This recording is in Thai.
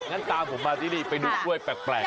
งั้นตามผมมาที่นี่ไปดูกล้วยแปลก